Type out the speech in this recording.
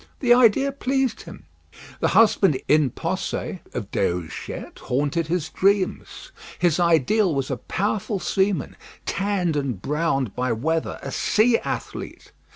The idea pleased him. The husband in posse of Déruchette haunted his dreams. His ideal was a powerful seaman, tanned and browned by weather, a sea athlete.